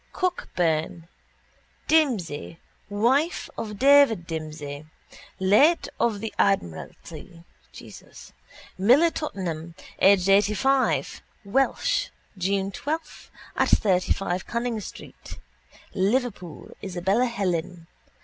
—Cockburn. Dimsey, wife of David Dimsey, late of the admiralty: Miller, Tottenham, aged eightyfive: Welsh, June 12, at 35 Canning street, Liverpool, Isabella Helen.